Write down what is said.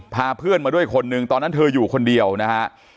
พาเพื่อนมาด้วยคนหนึ่งตอนนั้นเธออยู่คนเดียวนะฮะ